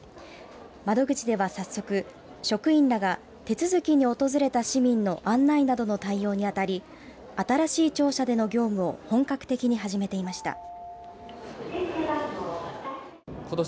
窓口では、早速職員らが、手続きに訪れた市民の案内などの対応にあたり新しい庁舎での業務を本格的に始めていました。